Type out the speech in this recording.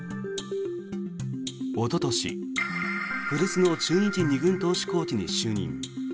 おととし、古巣の中日２軍投手コーチに就任。